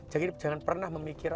jadi jangan pernah memikir